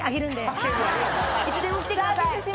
いつでも来てください。